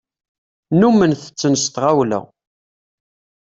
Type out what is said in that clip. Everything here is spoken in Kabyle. Nnumen tetten s tɣawla.